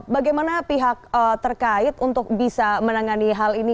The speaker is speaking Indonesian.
bagaimana pihak terkait untuk bisa menangani hal ini